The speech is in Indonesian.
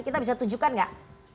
kita bisa tunjukkan nggak